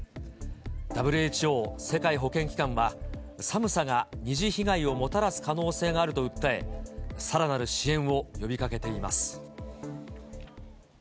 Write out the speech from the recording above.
ＷＨＯ・世界保健機関は、寒さが二次被害をもたらす可能性があると訴え、さらなる支援を呼びかけています。